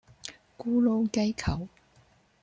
咕嚕雞球